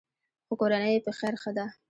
خو کورنۍ یې په خیر ښه ده.